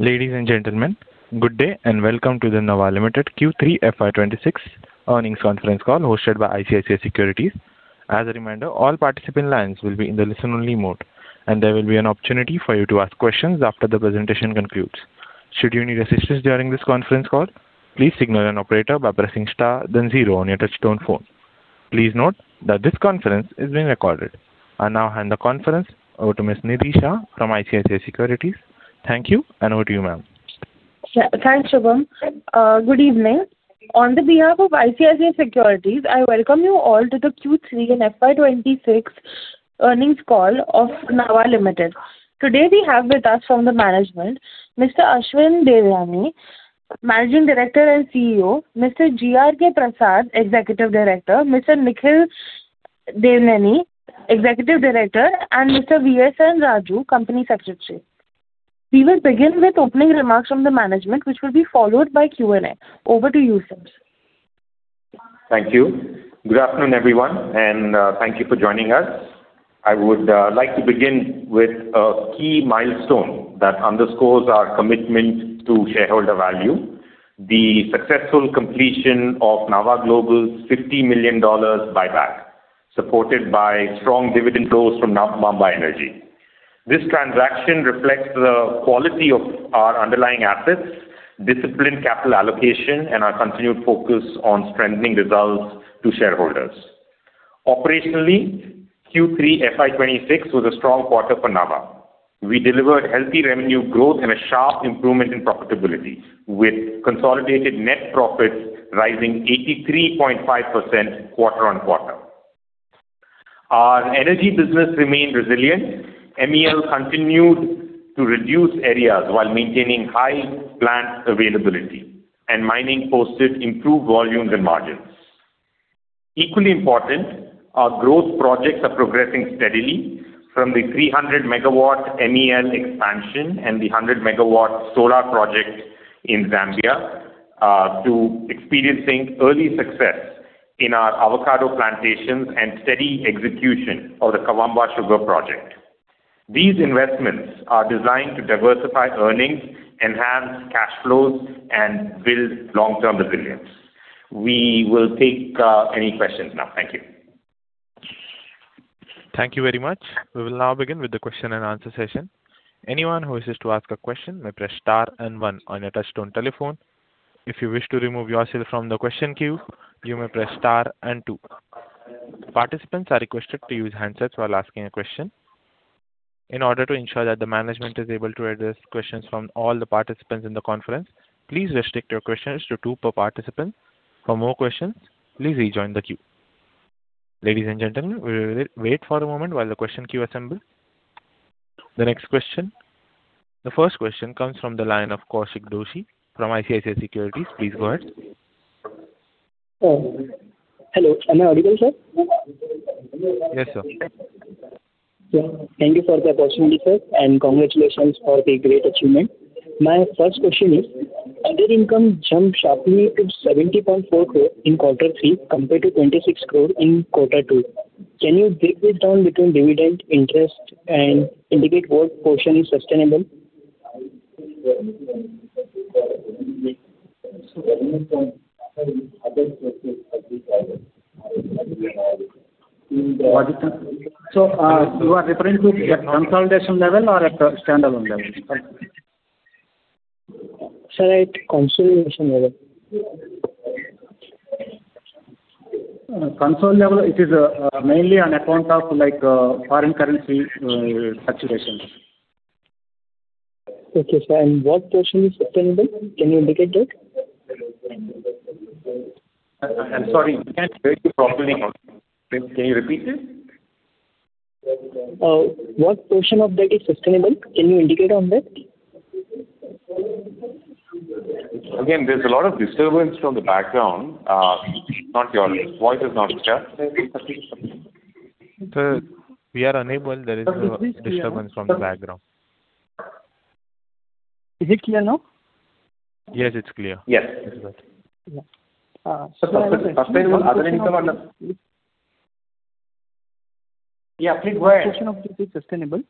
Ladies and gentlemen, good day and welcome to the Nava Limited Q3 FY26 earnings conference call hosted by ICICI Securities. As a reminder, all participant lines will be in the listen-only mode, and there will be an opportunity for you to ask questions after the presentation concludes. Should you need assistance during this conference call, please signal an operator by pressing * then 0 on your touch-tone phone. Please note that this conference is being recorded. I now hand the conference over to Ms. Nidhi from ICICI Securities. Thank you, and over to you, ma'am. Thanks, Shubham. Good evening. On behalf of ICICI Securities, I welcome you all to the Q3 and FY26 earnings call of Nava Limited. Today we have with us from the management: Mr. Ashwin Devineni, Managing Director and CEO; Mr. G. R. K. Prasad, Executive Director; Mr. Nikhil Devineni, Executive Director; and Mr. V. S. N. Raju, Company Secretary. We will begin with opening remarks from the management, which will be followed by Q&A. Over to you, sir. Thank you. Good afternoon, everyone, and thank you for joining us. I would like to begin with a key milestone that underscores our commitment to shareholder value: the successful completion of Nava Global's $50 million buyback, supported by strong dividend flows from Maamba Energy. This transaction reflects the quality of our underlying assets, disciplined capital allocation, and our continued focus on strengthening results to shareholders. Operationally, Q3 FY26 was a strong quarter for Nava. We delivered healthy revenue growth and a sharp improvement in profitability, with consolidated net profits rising 83.5% quarter-on-quarter. Our energy business remained resilient. MEL continued to reduce arrears while maintaining high plant availability, and mining posted improved volumes and margins. Equally important, our growth projects are progressing steadily from the 300 MW MEL expansion and the 100 MW solar project in Zambia to experiencing early success in our avocado plantations and steady execution of the Kawambwa sugar project. These investments are designed to diversify earnings, enhance cash flows, and build long-term resilience. We will take any questions now. Thank you. Thank you very much. We will now begin with the question-and-answer session. Anyone who wishes to ask a question may press * and 1 on your touch-tone telephone. If you wish to remove yourself from the question queue, you may press * and 2. Participants are requested to use handsets while asking a question. In order to ensure that the management is able to address questions from all the participants in the conference, please restrict your questions to 2 per participant. For more questions, please rejoin the queue. Ladies and gentlemen, we will wait for a moment while the question queue assembles. The next question comes from the line of Kaushik Doshi from ICICI Securities. Please go ahead. Hello. Am I audible, sir? Yes, sir. Thank you for the opportunity, sir, and congratulations for the great achievement. My first question is: other income jump sharply to INR 70.4 crore in quarter 3 compared to INR 26 crore in quarter 2. Can you break this down between dividend, interest, and indicate what portion is sustainable? You are referring to the consolidation level or the standalone level? Sir, at consolidation level. Consol level, it is mainly on account of foreign currency fluctuations. Okay, sir. And what portion is sustainable? Can you indicate that? I'm sorry. I can't hear you properly now. Can you repeat it? What portion of that is sustainable? Can you indicate on that? Again, there's a lot of disturbance from the background. Your voice is not clear. Sir, we are unable. There is no disturbance from the background. Is it clear now? Yes, it's clear. Yes. Sustainable other income or not? Yeah, please go ahead. What portion of that is sustainable?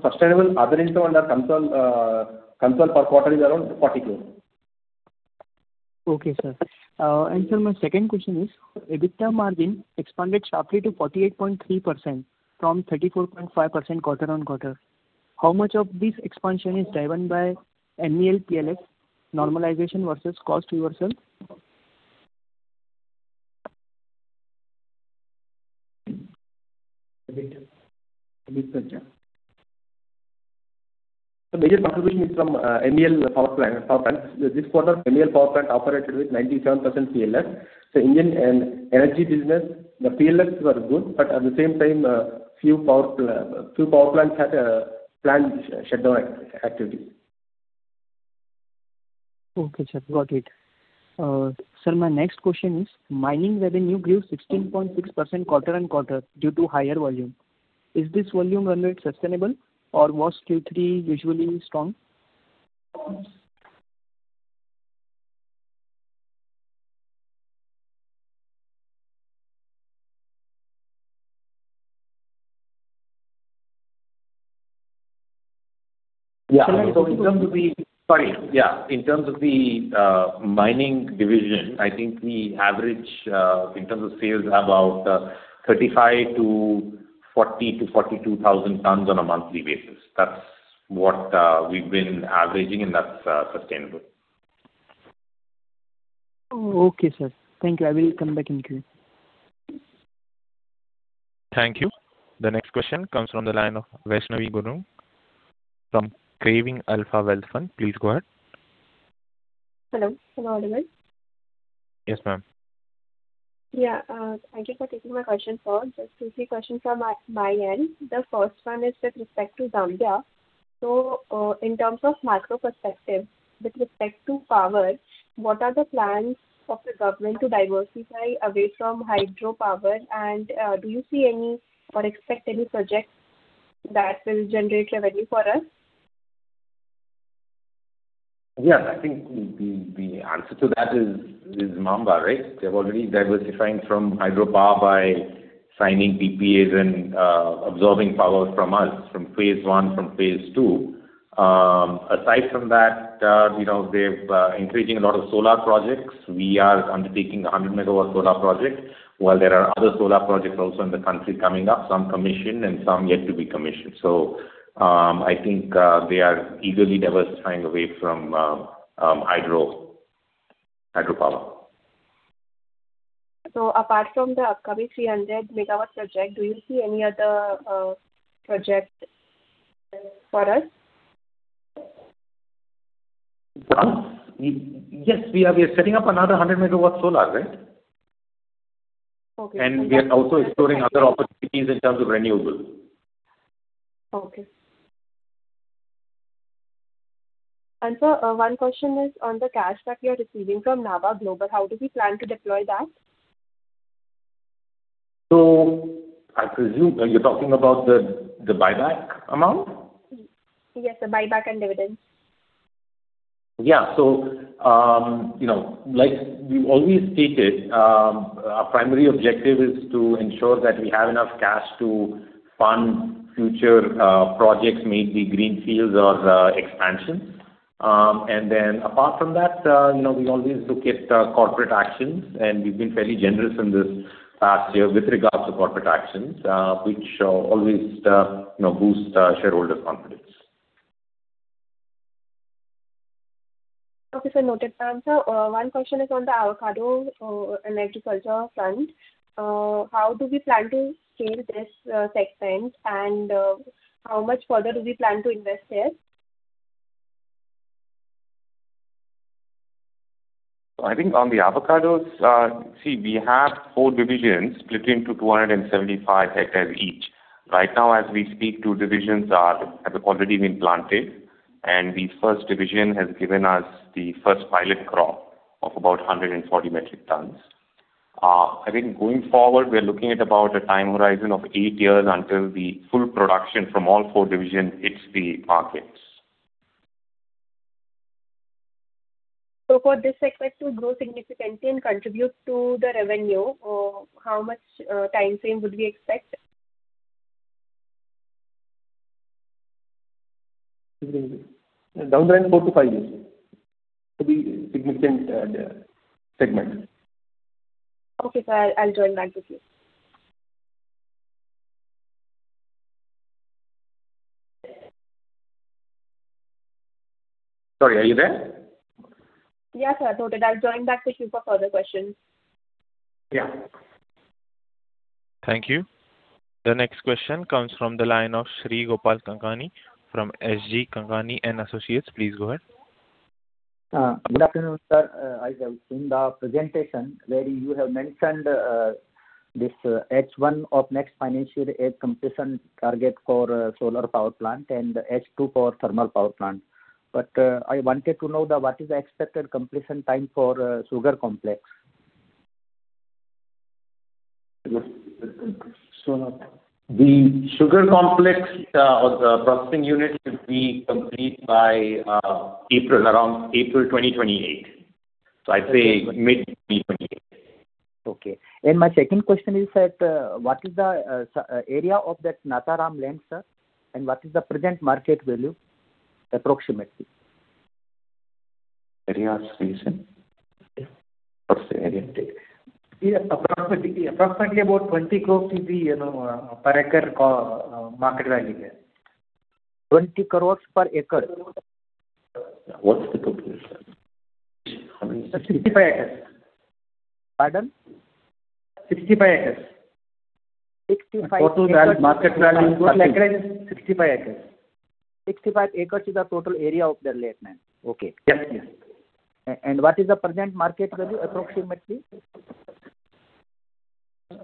Sustainable other income or not, consol per quarter is around 40 crore. Okay, sir. Sir, my second question is: EBITDA margin expanded sharply to 48.3% from 34.5% quarter-over-quarter. How much of this expansion is driven by MEL/PLF normalization versus cost reversal? EBITDA. So major contribution is from MEL power plants. This quarter, MEL power plant operated with 97% PLF. So in the energy business, the PLF were good, but at the same time, few power plants had planned shutdown activities. Okay, sir. Got it. Sir, my next question is: mining revenue grew 16.6% quarter-over-quarter due to higher volume. Is this volume run rate sustainable, or was Q3 usually strong? Yeah. In terms of the mining division, I think we average, in terms of sales, about 35,000-42,000 tons on a monthly basis. That's what we've been averaging, and that's sustainable. Okay, sir. Thank you. I will come back in queue. Thank you. The next question comes from the line of Vaishnavi Gurung from Craving Alpha Wealth Fund. Please go ahead. Hello. Can you hear me? Yes, ma'am. Yeah. Thank you for taking my question forward. Just two questions from my end. The first one is with respect to Zambia. So in terms of macro perspective, with respect to power, what are the plans of the government to diversify away from hydropower, and do you see any or expect any projects that will generate revenue for us? Yeah. I think the answer to that is Maamba, right? They're already diversifying from hydropower by signing PPAs and absorbing power from us, from phase one, from phase two. Aside from that, they're encouraging a lot of solar projects. We are undertaking a 100-megawatt solar project, while there are other solar projects also in the country coming up, some commissioned and some yet to be commissioned. So I think they are eagerly diversifying away from hydropower. Apart from the upcoming 300-megawatt project, do you see any other projects for us? Yes. We are setting up another 100-megawatt solar, right? And we are also exploring other opportunities in terms of renewables. Okay. And sir, one question is on the buyback you are receiving from Nava Global. How do we plan to deploy that? You're talking about the buyback amount? Yes, the buyback and dividends. Yeah. So like we've always stated, our primary objective is to ensure that we have enough cash to fund future projects, maybe greenfields or expansions. And then apart from that, we always look at corporate actions, and we've been fairly generous in this past year with regards to corporate actions, which always boost shareholders' confidence. Okay, sir. Noted, ma'am. Sir, one question is on the avocado and agriculture front. How do we plan to scale this segment, and how much further do we plan to invest here? I think on the avocados, see, we have 4 divisions split into 275 hectares each. Right now, as we speak, 2 divisions have already been planted, and the first division has given us the first pilot crop of about 140 metric tons. I think going forward, we are looking at about a time horizon of 8 years until the full production from all 4 divisions hits the markets. So for this segment to grow significantly and contribute to the revenue, how much time frame would we expect? Down the line, 4-5 years. It will be a significant segment. Okay, sir. I'll join back with you. Sorry. Are you there? Yeah, sir. Noted. I'll join back with you for further questions. Yeah. Thank you. The next question comes from the line of Sri Gopal Kankani from S.G. Kankani & Associates. Please go ahead. Good afternoon, sir. I have seen the presentation where you have mentioned this H1 of next financial year completion target for solar power plant and H2 for thermal power plant. But I wanted to know what is the expected completion time for sugar complex? The sugar complex processing unit should be complete around April 2028. So I'd say mid-2028. Okay. My second question is that what is the area of that Nacharam land, sir, and what is the present market value, approximately? Area? Are you saying? Approximately about 20 crore is the per-acre market value there. 20 crores per acre? What's the total? How many? 65 hectares. Pardon? 65 hectares. Total market value? Total acreage is 65 hectares. 65 acres is the total area of that land. Okay. Yes, yes. What is the present market value, approximately? I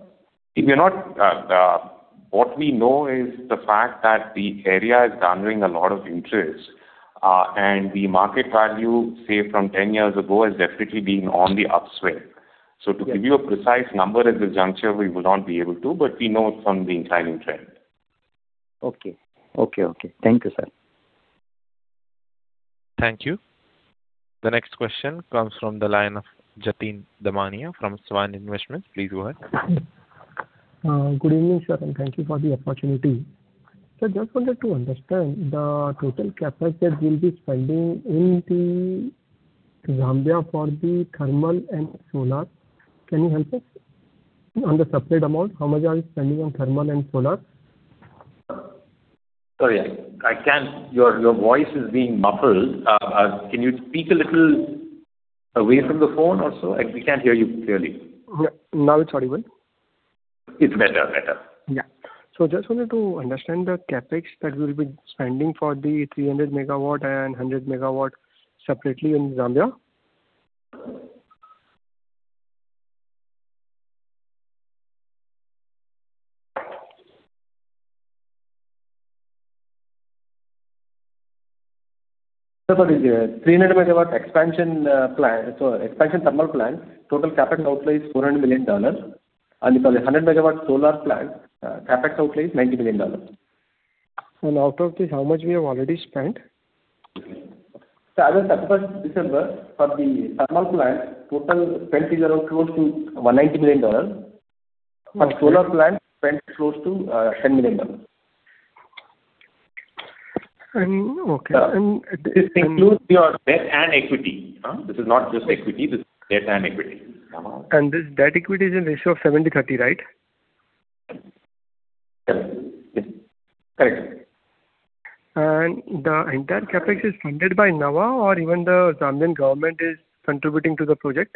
fear not, what we know is the fact that the area is garnering a lot of interest, and the market value, say, from 10 years ago, has definitely been on the upswing. To give you a precise number at this juncture, we will not be able to, but we know it from the inclining trend. Okay. Okay, okay. Thank you, sir. Thank you. The next question comes from the line of Jatin Damania from Swan Investments. Please go ahead. Good evening, sir, and thank you for the opportunity. Sir, just wanted to understand the total CapEx that we'll be spending in Zambia for the thermal and solar. Can you help us on the separate amount? How much are we spending on thermal and solar? Sorry. Your voice is being muffled. Can you speak a little away from the phone also? We can't hear you clearly. Now it's audible. It's better, better. Yeah. So just wanted to understand the CapEx that we'll be spending for the 300-megawatt and 100-megawatt separately in Zambia? Sorry. 300-megawatt expansion thermal plant, total CapEx outlay is $400 million. And sorry, 100-megawatt solar plant, CapEx outlay is $90 million. Out of this, how much we have already spent? Sir, as of 31st December, for the thermal plant, total spent is around close to $190 million. For solar plant, spent close to $10 million. Okay. And. This includes your debt and equity. This is not just equity. This is debt and equity. This debt equity is in ratio of 70/30, right? Yes. Correct. The entire CapEx is funded by Nava or even the Zambian government is contributing to the project?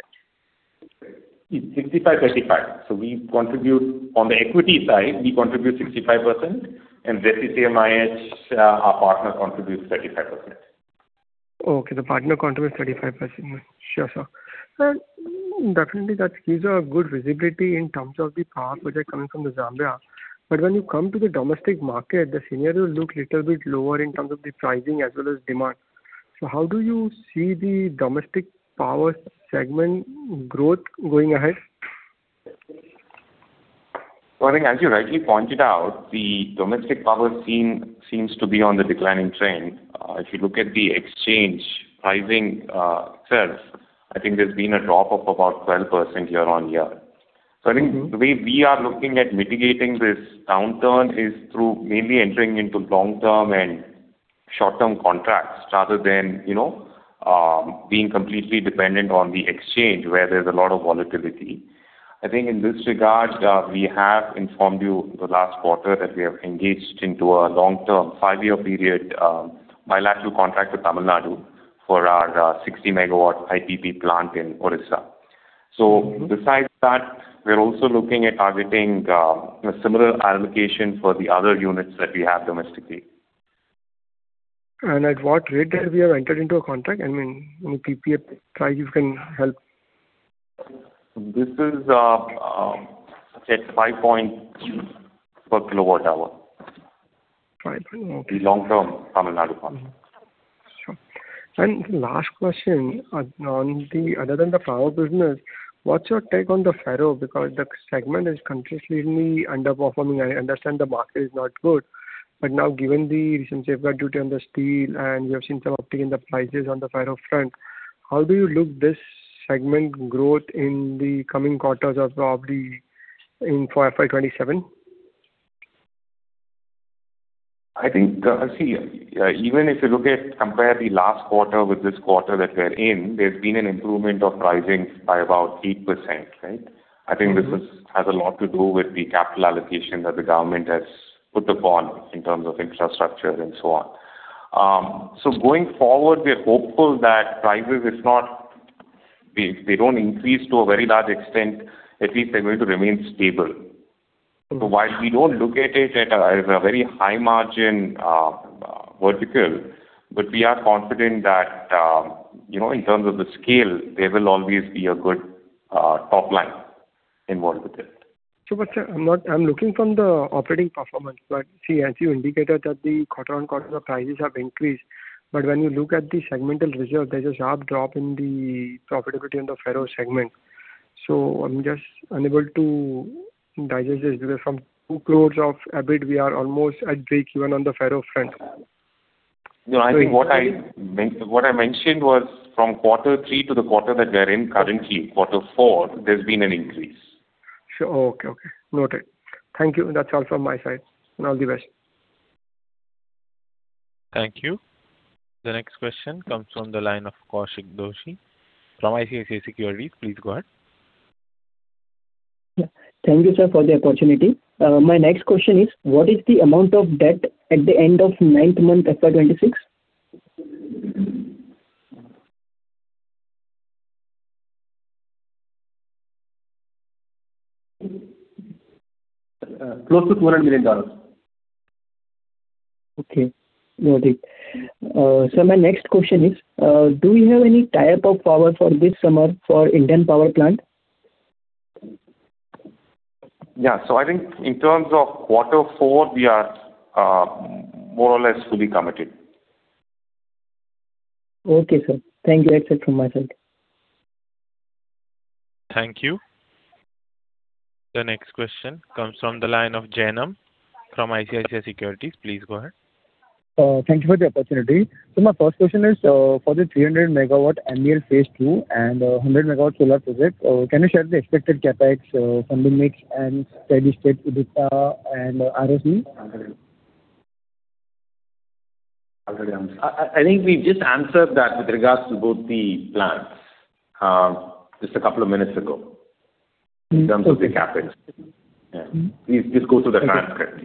It's 65/35. So on the equity side, we contribute 65%, and ZCCM-IH, our partner, contributes 35%. Okay. The partner contributes 35%. Sure, sir. And definitely, these are good visibility in terms of the power project coming from Zambia. But when you come to the domestic market, the scenario looks a little bit lower in terms of the pricing as well as demand. So how do you see the domestic power segment growth going ahead? Well, I think as you rightly pointed out, the domestic power seems to be on the declining trend. If you look at the exchange pricing itself, I think there's been a drop of about 12% year-on-year. So I think the way we are looking at mitigating this downturn is through mainly entering into long-term and short-term contracts rather than being completely dependent on the exchange where there's a lot of volatility. I think in this regard, we have informed you the last quarter that we have engaged into a long-term, five-year period bilateral contract with Tamil Nadu for our 60-MW IPP plant in Odisha. So besides that, we're also looking at targeting a similar allocation for the other units that we have domestically. At what rate have we entered into a contract? I mean, any PPA price you can help. This is set at Rs. 5.2 per kWh. 5. Okay. The long-term Tamil Nadu contract. Sure. Last question, other than the power business, what's your take on the ferroalloys? Because the segment is continuously underperforming. I understand the market is not good. But now, given the recent safeguard duty on the steel and we have seen some uptick in the prices on the ferroalloys front, how do you look at this segment growth in the coming quarters of probably in FY27? I think, see, even if you look at compare the last quarter with this quarter that we're in, there's been an improvement of pricing by about 8%, right? I think this has a lot to do with the capital allocation that the government has put upon in terms of infrastructure and so on. So going forward, we're hopeful that prices, if they don't increase to a very large extent, at least they're going to remain stable. So while we don't look at it as a very high-margin vertical, but we are confident that in terms of the scale, there will always be a good top line involved with it. Sure, but sir, I'm looking from the operating performance. But see, as you indicated, that the quarter-on-quarter, the prices have increased. But when you look at the segment results, there's a sharp drop in the profitability on the ferroalloys segment. So I'm just unable to digest this because from 2 crore of EBIT, we are almost at breakeven on the ferroalloys front. No, I think what I mentioned was from quarter three to the quarter that we're in currently, quarter four, there's been an increase. Sure. Okay, okay. Noted. Thank you. That's all from my side. All the best. Thank you. The next question comes from the line of Kaushik Doshi from ICICI Securities. Please go ahead. Yeah. Thank you, sir, for the opportunity. My next question is, what is the amount of debt at the end of ninth month FY26? Close to $400 million. Okay. Noted. Sir, my next question is, do we have any tie-up of power for this summer for Indian Power Plant? Yeah. So I think in terms of quarter four, we are more or less fully committed. Okay, sir. Thank you. That's it from my side. Thank you. The next question comes from the line of Jainam Jain from ICICI Securities. Please go ahead. Thank you for the opportunity. My first question is, for the 300-MW MEL phase 2 and 100-MW solar project, can you share the expected CapEx funding mix and steady state EBITDA and ROCE? I think we've just answered that with regards to both the plants just a couple of minutes ago in terms of the CapEx. Yeah. Please just go through the transcript.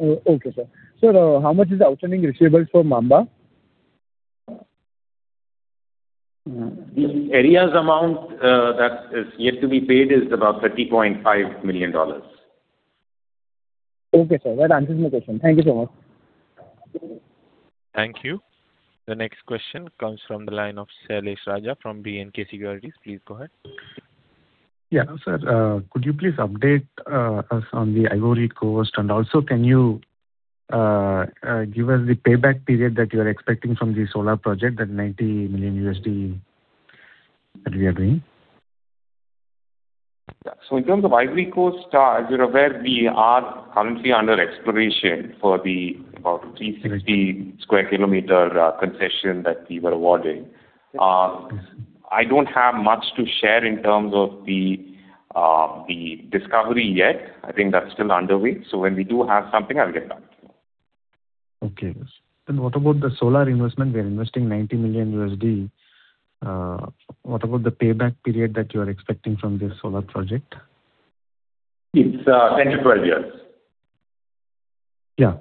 Okay, sir. Sir, how much is the outstanding receivables for Maamba? The arrears amount that is yet to be paid is about $30.5 million. Okay, sir. That answers my question. Thank you so much. Thank you. The next question comes from the line of Shailesh Raja from B&K Securities. Please go ahead. Yeah, sir, could you please update us on the Ivory Coast? Also, can you give us the payback period that you are expecting from the solar project, that $90 million that we are doing? Yeah. So in terms of Ivory Coast, as you're aware, we are currently under exploration for the about 360 sq km concession that we were awarded. I don't have much to share in terms of the discovery yet. I think that's still underway. So when we do have something, I'll get back to you. Okay, sir. And what about the solar investment? We are investing $90 million. What about the payback period that you are expecting from this solar project? It's 10-12 years. Yeah.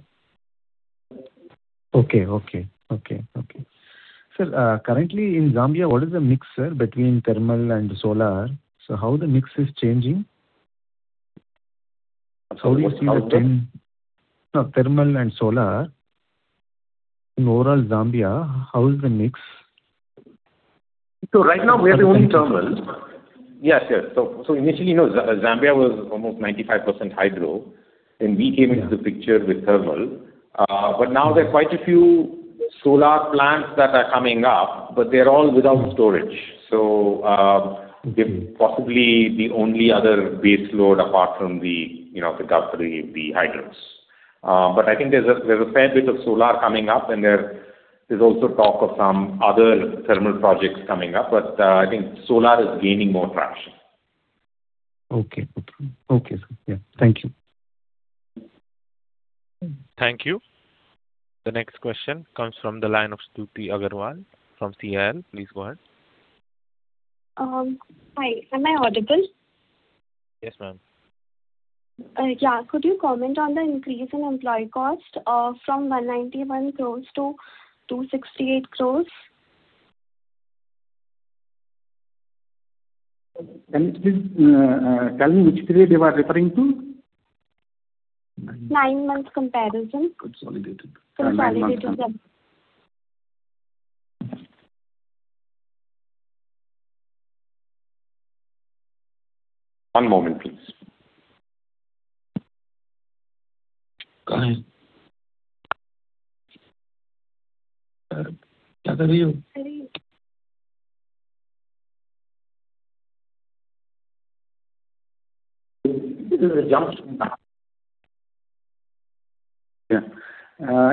Okay, okay, okay, okay. Sir, currently in Zambia, what is the mix, sir, between thermal and solar? So how the mix is changing? How do you see the 10? Absolutely. No, thermal and solar. In overall Zambia, how is the mix? So right now, we are the only thermal. Yes, yes. So initially, Zambia was almost 95% hydro. Then we came into the picture with thermal. But now, there are quite a few solar plants that are coming up, but they're all without storage. So they're possibly the only other baseload apart from the Kafue, the hydros. But I think there's a fair bit of solar coming up, and there's also talk of some other thermal projects coming up. But I think solar is gaining more traction. Okay, okay, sir. Yeah. Thank you. Thank you. The next question comes from the line of Shruti Agrawal from CIL. Please go ahead. Hi. Am I audible? Yes, ma'am. Yeah. Could you comment on the increase in employee cost from 191 crores to 268 crores? Please tell me which period you are referring to? Nine months comparison. One moment, please. Go ahead. Clear to you? Jumped. Yeah.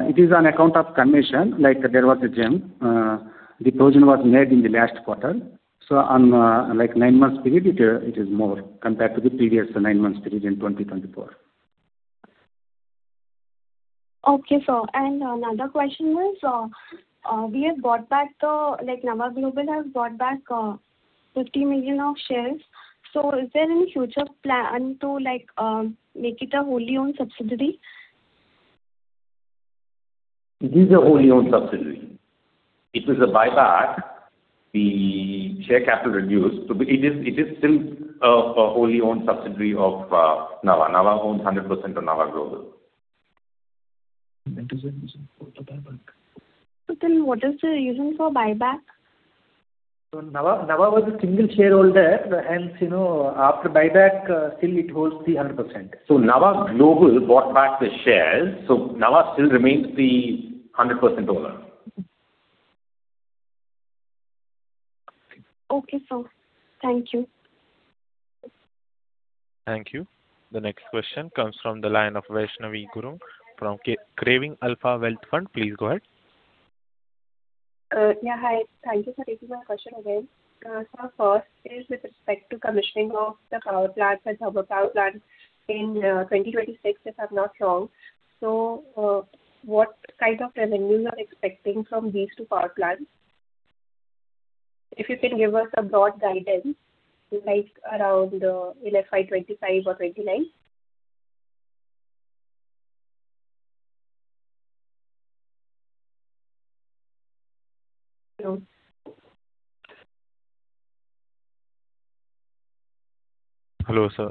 It is on account of commission. There was a jump. The provision was made in the last quarter. So on nine months period, it is more compared to the previous nine months period in 2024. Okay, sir. And another question was, we have bought back the Nava Global has bought back 50 million shares. So is there any future plan to make it a wholly-owned subsidiary? It is a wholly-owned subsidiary. It was a buyback. The share capital reduced. So it is still a wholly-owned subsidiary of Nava. Nava owns 100% of Nava Global. What is the reason for buyback? Nava was a single shareholder. Hence, after buyback, still it holds the 100%. Nava Global bought back the shares. Nava still remains the 100% owner. Okay, sir. Thank you. Thank you. The next question comes from the line of Vaishnavi Gurung from Craving Alpha Wealth Fund. Please go ahead. Yeah, hi. Thank you for taking my question again. Sir, first is with respect to commissioning of the power plants and thermal power plants in 2026, if I'm not wrong. So what kind of revenues are expected from these two power plants? If you can give us a broad guidance around in FY25 or 2029? Hello, sir.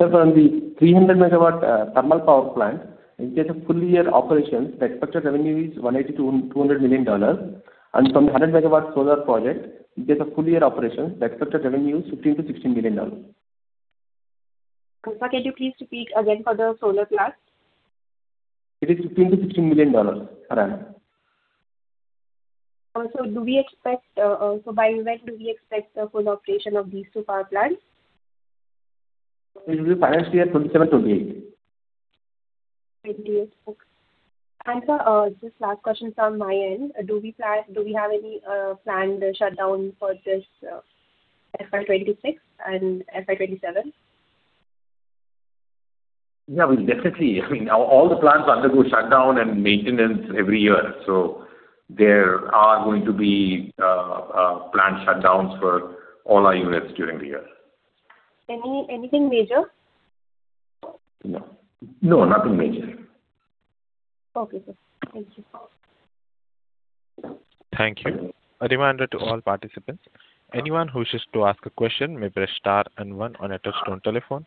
Sir, from the 300-megawatt thermal power plant, in case of full-year operations, the expected revenue is $180-$200 million. From the 100-megawatt solar project, in case of full-year operations, the expected revenue is $15-$16 million. Kaushik, can you please repeat again for the solar plants? It is $15 million-$16 million, per annum. By when do we expect the full operation of these two power plants? It will be financial year 2027-28. Okay. Sir, just last question from my end. Do we have any planned shutdown for this FY26 and FY27? Yeah, definitely. I mean, all the plants undergo shutdown and maintenance every year. So there are going to be plant shutdowns for all our units during the year. Anything major? No. No, nothing major. Okay, sir. Thank you. Thank you. A reminder to all participants, anyone who wishes to ask a question may press star and one on your touch-tone telephone.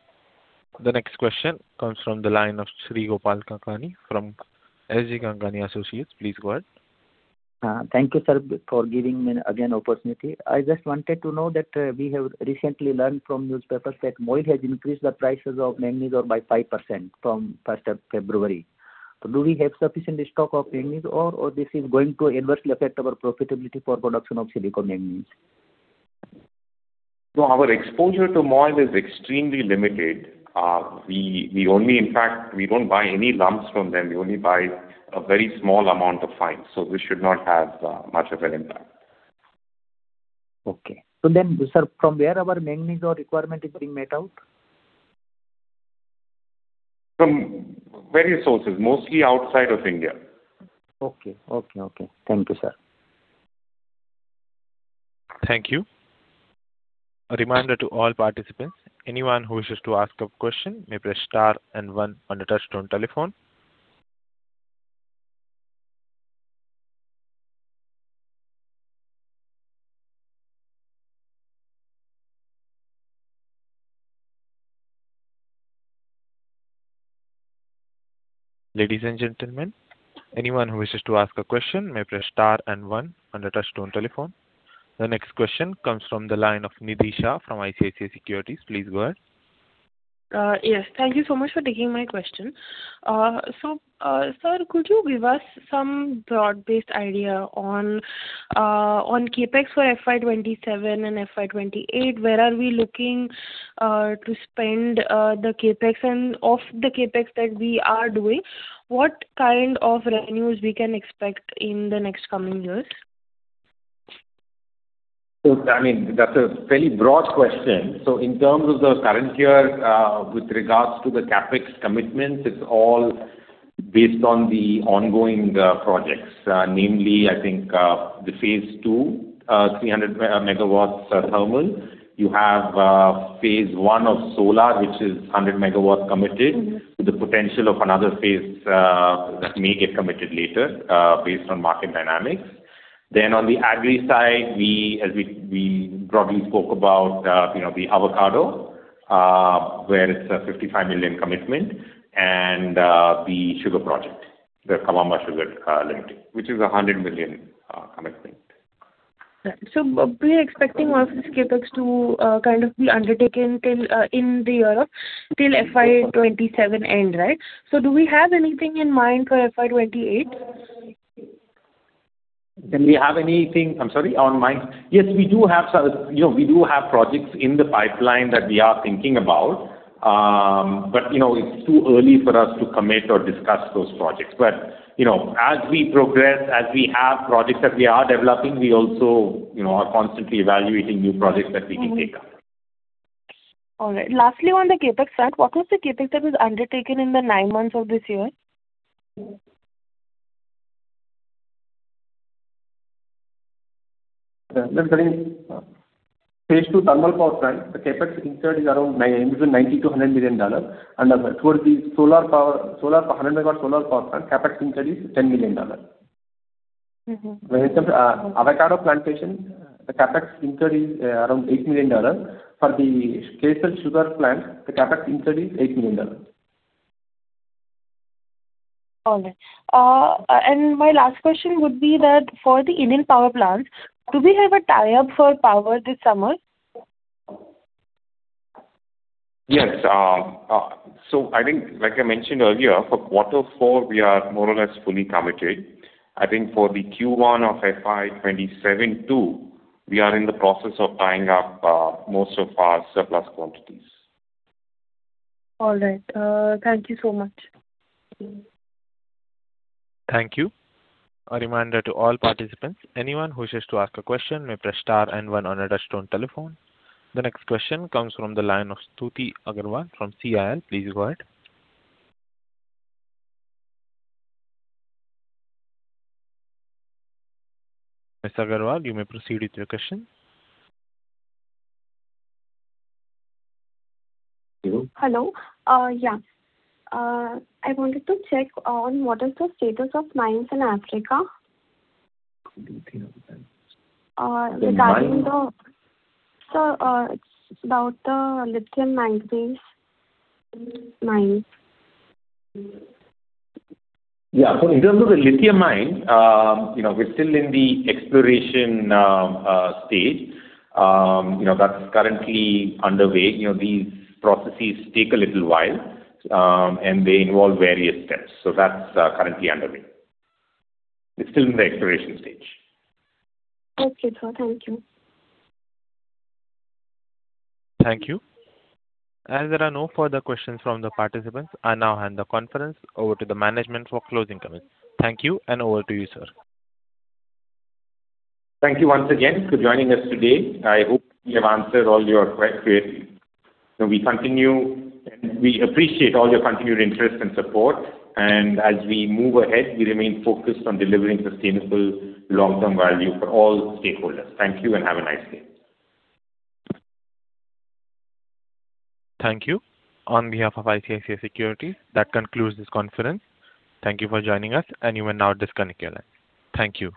The next question comes from the line of Sri Gopal Kankani from S.G. Kankani & Associates. Please go ahead. Thank you, sir, for giving me again the opportunity. I just wanted to know that we have recently learned from newspapers that MOIL has increased the prices of manganese by 5% from 1st of February. So do we have sufficient stock of manganese, or this is going to adversely affect our profitability for production of silicon manganese? So our exposure to MOIL is extremely limited. In fact, we don't buy any lumps from them. We only buy a very small amount of fines. So this should not have much of an impact. Okay. So then, sir, from where our manganese requirement is being met out? From various sources, mostly outside of India. Okay, okay, okay. Thank you, sir. Thank you. A reminder to all participants, anyone who wishes to ask a question may press star and one on your touch-tone telephone. Ladies and gentlemen, anyone who wishes to ask a question may press star and one on your touch-tone telephone. The next question comes from the line of Nidhi from ICICI Securities. Please go ahead. Yes. Thank you so much for taking my question. So, sir, could you give us some broad-based idea on CapEx for FY27 and FY28? Where are we looking to spend the CapEx, and of the CapEx that we are doing, what kind of revenues we can expect in the next coming years? So, I mean, that's a fairly broad question. So in terms of the current year, with regards to the capex commitments, it's all based on the ongoing projects. Namely, I think the phase 2, 300-megawatt thermal, you have phase 1 of solar, which is 100-megawatt committed, with the potential of another phase that may get committed later based on market dynamics. Then on the agri side, as we broadly spoke about, the avocado, where it's a $55 million commitment, and the sugar project, the Kawambwa Sugar Ltd, which is a $100 million commitment. We are expecting all of these CapEx to kind of be undertaken in the year till FY27 end, right? Do we have anything in mind for FY28? Yes, we do have projects in the pipeline that we are thinking about, but it's too early for us to commit or discuss those projects. As we progress, as we have projects that we are developing, we also are constantly evaluating new projects that we can take up. All right. Lastly, on the CapEx side, what was the CapEx that was undertaken in the nine months of this year? Then, for the, phase two thermal power plant, the CapEx is between $90-$100 million. And towards the 100-MW solar power plant, CapEx is $10 million. When it comes to avocado plantation, the CapEx is around $8 million. For the Kawambwa sugar plant, the CapEx is $8 million. All right. My last question would be that for the Indian power plants, do we have a tie-up for power this summer? Yes. So I think, like I mentioned earlier, for quarter four, we are more or less fully committed. I think for the Q1 of FY27 too, we are in the process of tying up most of our surplus quantities. All right. Thank you so much. Thank you. A reminder to all participants, anyone who wishes to ask a question may press star and one on your touch-tone telephone. The next question comes from the line of Shruti Agrawal from CIL. Please go ahead. Miss Agarwal, you may proceed with your question. Hello. Yeah. I wanted to check on what is the status of mines in Africa. Lithium mine? Regarding the sir, it's about the lithium manganese mines. Yeah. So in terms of the lithium mine, we're still in the exploration stage. That's currently underway. These processes take a little while, and they involve various steps. So that's currently underway. It's still in the exploration stage. Okay, sir. Thank you. Thank you. As there are no further questions from the participants, I now hand the conference over to the management for closing comments. Thank you, and over to you, sir. Thank you once again for joining us today. I hope we have answered all your questions. We appreciate all your continued interest and support. And as we move ahead, we remain focused on delivering sustainable long-term value for all stakeholders. Thank you, and have a nice day. Thank you. On behalf of ICICI Securities, that concludes this conference. Thank you for joining us, and you may now disconnect your line. Thank you.